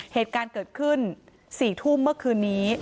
เหตุการณ์เกิดขึ้น๔ทุ่มเมื่อคืนนี้